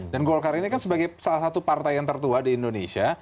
dan golkar ini kan sebagai salah satu partai yang tertua di indonesia